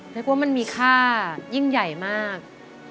เรียกว่ามันมีค่ายิ่งใหญ่มาก